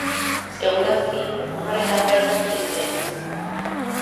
Segur aski egun horretan bertan hil zen.